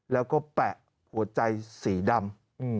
แล้วก็แปะหัวใจสีดำ